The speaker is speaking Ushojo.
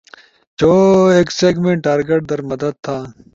چھو ایک سیگمنٹ ٹارگٹ در مدد تھا